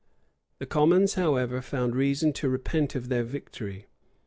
The commons, however, found reason to repent of their victory.